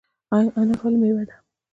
انار ولې ملي میوه ده؟